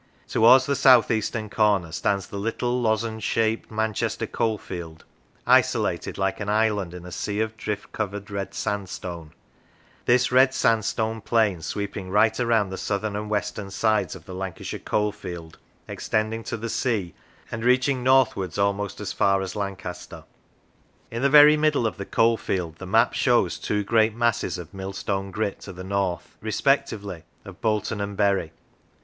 Towards the south eastern corner stands the little lozenge shaped Man chester coalfield, isolated like an island in a sea of drift covered Red Sandstone, this Red Sandstone plain sweeping right round the southern and western sides of the Lancashire coalfield, extending to the sea, and reaching northwards almost as far as Lancaster. 3 Physical Structure In the very middle of the coalfield the map shows two great masses of millstone grit, to the north, respectively, of Bolton and Bury.